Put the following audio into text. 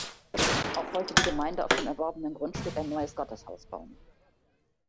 Auch wollte die Gemeinde auf dem erworbenen Grundstück ein neues Gotteshaus bauen.